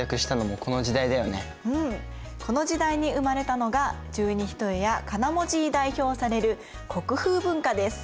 この時代に生まれたのが十二単やかな文字に代表される国風文化です。